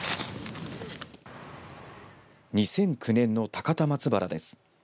２００９年の高田松原です。